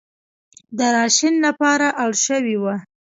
د راشن لپاره اړ شوې وه.